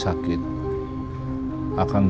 gak ada apa sih ini